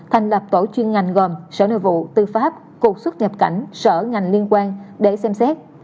thành lập tổ chuyên ngành gồm sở nội vụ tư pháp cục xuất nhập cảnh sở ngành liên quan để xem xét